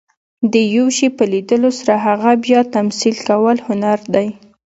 د یو شي په لیدلو سره هغه بیا تمثیل کول، هنر دئ.